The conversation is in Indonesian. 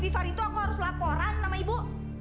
memangnya aku harus laporan sama ibu